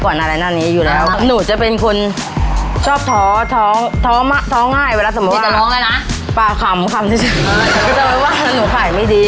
แกเล่าว่าขายไม่ดี